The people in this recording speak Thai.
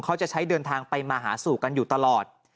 เขาจะใช้เดินทางไปมาหาสู่กันอยู่ตลอด